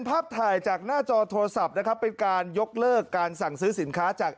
ภาพถ่ายจากหน้าจอโทรศัพท์นะครับเป็นการยกเลิกการสั่งซื้อสินค้าจาก